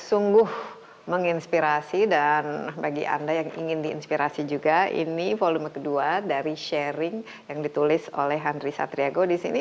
sungguh menginspirasi dan bagi anda yang ingin diinspirasi juga ini volume kedua dari sharing yang ditulis oleh henry satriago disini